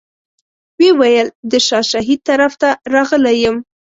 ویې ویل د شاه شهید طرف ته راغلی یم.